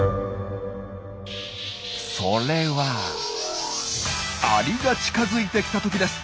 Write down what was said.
それはアリが近づいてきたときです。